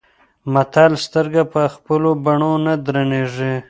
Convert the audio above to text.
متل : سترګه په خپلو بڼو نه درنيږي.